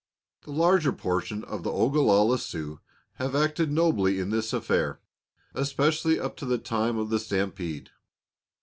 The larger portion of the Ogalalla Sioux have acted nobly in this affair, especially up to the time of the stampede.